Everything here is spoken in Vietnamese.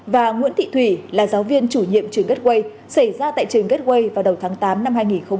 và nguyễn thị thủy là giáo viên chủ nhiệm trường getway xảy ra tại trường getway vào đầu tháng tám năm hai nghìn một mươi chín